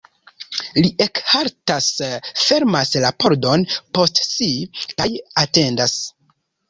Li ekhaltas, fermas la pordon post si kaj atendas.